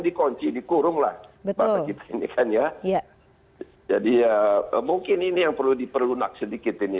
dikunci dikurung lah bangsa kita ini kan ya jadi ya mungkin ini yang perlu diperlunak sedikit ini